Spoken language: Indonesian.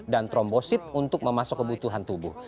trombosit untuk memasuk kebutuhan tubuh